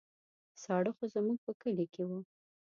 ساړه خو زموږ په کلي کې وو.